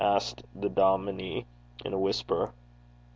asked the dominie in a whisper.